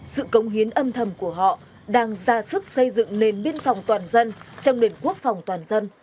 sự công hiến âm thầm của họ đang ra sức xây dựng nền biên phòng toàn dân trong nền quốc phòng toàn dân